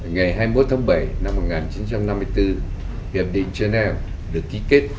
ngày hai mươi một tháng bảy năm một nghìn chín trăm năm mươi bốn hiệp định geneva được ký kết